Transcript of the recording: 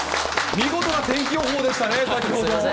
見事な天気予報でしたね、先ほど。